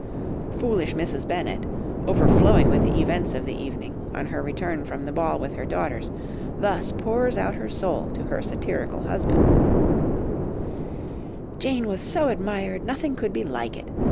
Foolish Mrs. Bennet, overflowing with the events of the evening, on her return from the ball with her daughters, thus pours out her soul to her satirical husband— "'Jane was so admired, nothing could be like it.